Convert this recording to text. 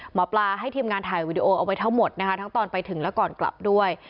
หมอปลาให้ทีมงานถ่ายวีดีโอเอาไว้ทั้งหมดนะคะทั้งตอนไปถึงและก่อนกลับด้วย